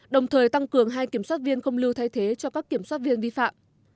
đồng thời tăng cường hai kiểm soát viên không lưu thay thế cho các kiểm soát viên vi phạm